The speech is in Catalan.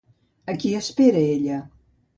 A qui espera ella?